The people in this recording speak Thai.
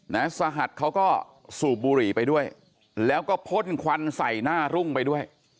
สหัสเขาก็สูบบุหรี่ไปด้วยแล้วก็พ่นควันใส่หน้ารุ่งไปด้วย